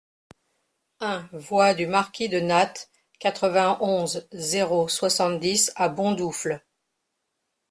un voie du Marquis de Nattes, quatre-vingt-onze, zéro soixante-dix à Bondoufle